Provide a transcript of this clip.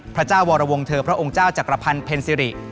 พระเจ้าวรวงเธอพระองค์เจ้าจักรพันธ์เพ็ญซิริ